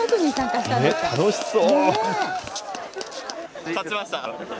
楽しそう。